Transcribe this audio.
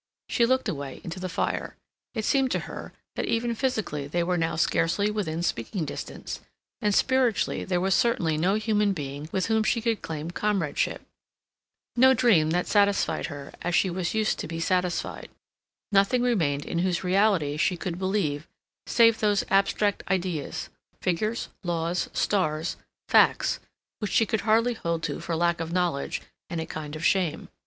She looked away into the fire; it seemed to her that even physically they were now scarcely within speaking distance; and spiritually there was certainly no human being with whom she could claim comradeship; no dream that satisfied her as she was used to be satisfied; nothing remained in whose reality she could believe, save those abstract ideas—figures, laws, stars, facts, which she could hardly hold to for lack of knowledge and a kind of shame.